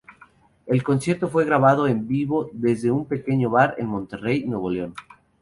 El concierto fue grabado en vivo desde un pequeño bar en Monterrey, Nuevo León.